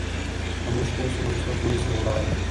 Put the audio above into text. که موږ پوه سو نو څوک مو نه سي غولولای.